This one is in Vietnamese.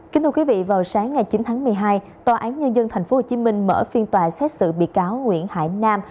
kính thưa quý vị vào sáng ngày chín tháng một mươi hai tòa án nhân dân tp hcm mở phiên tòa xét xử bị cáo nguyễn hải nam